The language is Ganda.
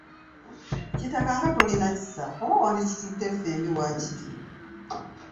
Kitaka nga tolina kisa oba wanditututte ffembi waakiri!?